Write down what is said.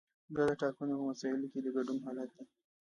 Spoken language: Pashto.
دا د ټاکنو په مسایلو کې د ګډون حالت دی.